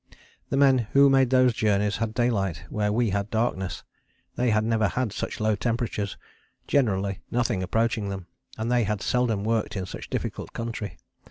The men who made those journeys had daylight where we had darkness, they had never had such low temperatures, generally nothing approaching them, and they had seldom worked in such difficult country.